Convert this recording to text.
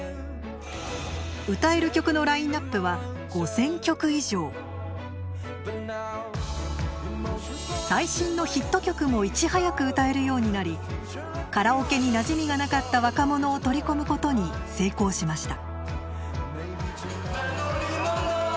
歌える曲のラインナップは最新のヒット曲もいち早く歌えるようになりカラオケになじみがなかった「若者」を取り込むことに成功しました。